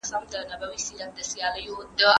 ایا تاسو د مغولو د تاریخ په اړه پوهیږئ؟